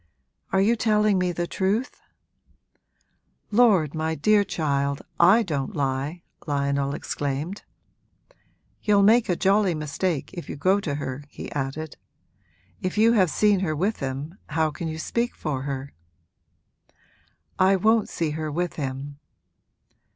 'Are you telling me the truth?' 'Lord, my dear child, I don't lie!' Lionel exclaimed. 'You'll make a jolly mistake if you go to her,' he added. 'If you have seen her with him how can you speak for her?' 'I won't see her with him.'